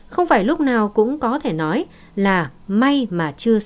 không phải lúc nào cũng có thể nói là may mà chưa xong